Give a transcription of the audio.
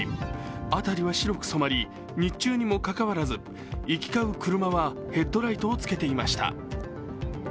辺りは白く染まり日中にもかかわらず行き交う車はヘッドライトをつけていました。